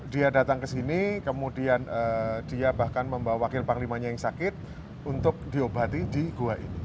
dia datang ke sini kemudian dia bahkan membawa wakil panglimanya yang sakit untuk diobati di gua ini